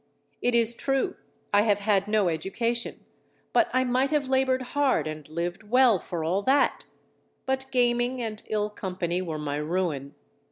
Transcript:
It is true I have had no education, but I might have laboured hard and lived well for all that; but gaming and ill company were my ruin.